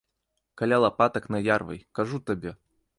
Каля лапатак наярвай, кажу табе!